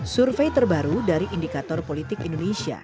survei terbaru dari indikator politik indonesia